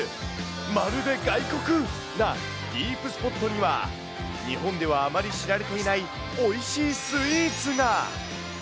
まるで外国なディープスポットには、日本ではあまり知られていないおいしいスイーツが。